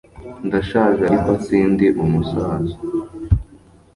Ndashaje ariko sindi umusaza